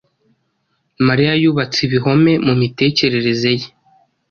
Mariya yubatse ibihome mu mitekerereze ye.